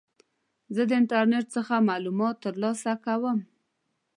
زه د انټرنیټ څخه معلومات ترلاسه کوم.